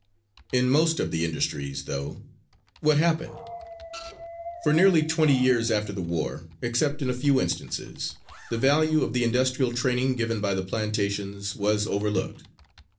In most of the industries, though, what happened? For nearly twenty years after the war, except in a few instances, the value of the industrial training given by the plantations was overlooked.